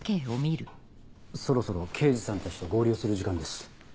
そろそろ刑事さんたちと合流する時間です。